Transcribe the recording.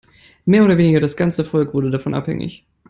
Mehr oder weniger das ganze Volk wurde davon abhängig.